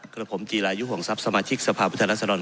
กลับผมจีรายุห่องทรัพย์สมาชิกสภาพวิทยาลักษณะสรรค์